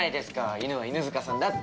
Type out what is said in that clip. イヌは犬塚さんだって。